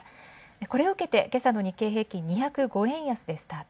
これを受けて今朝は日経２０５円安でスタート。